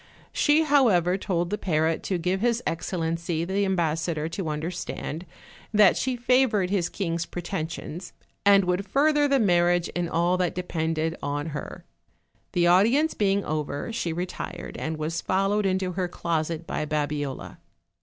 She, however, told the parrot to give hisexcellency the ambassador to un derstand that she favored his king's pretensions, and would further the marriage in all that depended on her. The audience being over, she retired, and was followed into her closet by Babiola.